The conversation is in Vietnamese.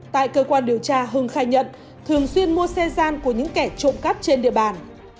tại cơ quan điều tra hưng khai nhận thường xuyên mua xe gian của những kẻ trộm cắp trên địa bàn